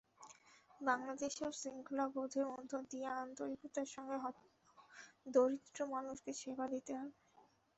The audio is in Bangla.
বাংলাদেশেও শৃঙ্খলাবোধের মধ্য দিয়ে আন্তরিকতার সঙ্গে দরিদ্র মানুষকে সেবা দিতে হবে।